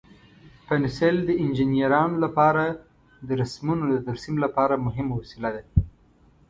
پنسل د انجینرانو لپاره د رسمونو د ترسیم لپاره مهم وسیله ده.